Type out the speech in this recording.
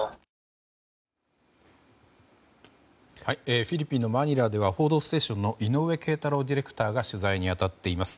フィリピンのマニラでは「報道ステーション」の井上桂太朗ディレクターが取材に当たっています。